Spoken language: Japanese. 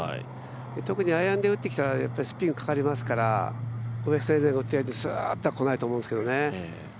特にアイアンで打ってきたらスピンがかかりますからウェストヘーゼンが打ったように、スーっと入ってはこないと思いますけどね。